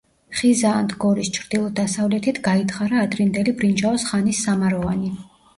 ხიზაანთ გორის ჩრდილო-დასავლეთით გაითხარა ადრინდელი ბრინჯაოს ხანის სამაროვანი.